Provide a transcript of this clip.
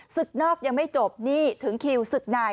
ศึกนอกยังไม่จบนี่ถึงคิวศึกใน